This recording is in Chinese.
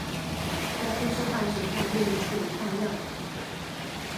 在分析化学上用于处理矿样。